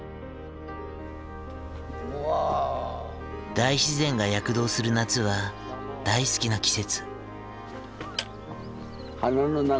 大自然が躍動する夏は大好きな季節。